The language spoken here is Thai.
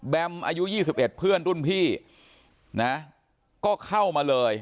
อายุ๒๑เพื่อนรุ่นพี่นะก็เข้ามาเลย